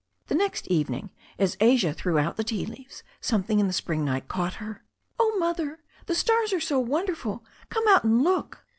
The next evening, as Asia threw out the tea leaves, some thing in the spring night caught her. "Oh, Mother, the stars are so wonderful. Come out and look."